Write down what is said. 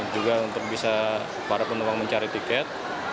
juga untuk bisa para penumpang mencari tiket